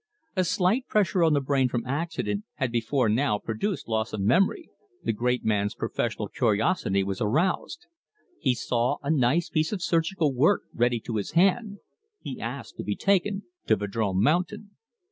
A slight pressure on the brain from accident had before now produced loss of memory the great man's professional curiosity was aroused: he saw a nice piece of surgical work ready to his hand; he asked to be taken to Vadrome Mountain.